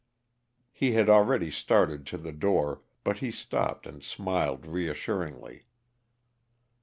He had already started to the door, but he stopped and smiled reassuringly.